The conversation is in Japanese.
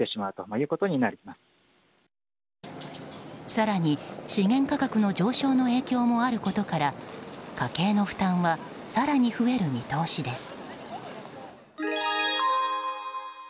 更に、資源価格の上昇の影響もあることから家計の負担は更に増える見通しです。